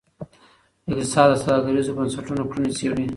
اقتصاد د سوداګریزو بنسټونو کړنې څیړي.